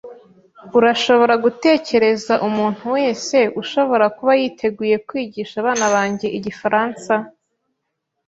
Urashobora gutekereza umuntu wese ushobora kuba yiteguye kwigisha abana banjye igifaransa?